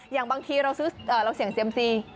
อย่างบางทีเราเสี่ยงเซียมซี